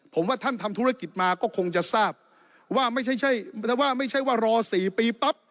ผมว่าท่านทำธุรกิจมาก็คงจะทราบว่าไม่ใช่ว่าไม่ใช่ว่ารอ๔ปีปั๊บ